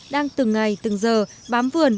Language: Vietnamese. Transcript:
đang từng ngày từng giờ bám vườn